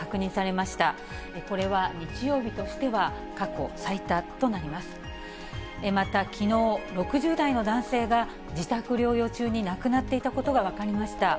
またきのう、６０代の男性が自宅療養中に亡くなっていたことが分かりました。